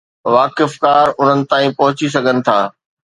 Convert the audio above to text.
واقفڪار انهن تائين پهچي سگهن ٿا.